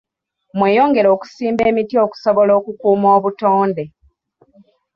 Mweyongere okusimba emiti okusobola okukuuma obutonde.